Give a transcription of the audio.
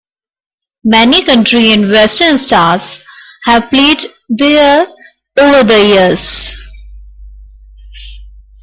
Many country and western stars have played there over the years.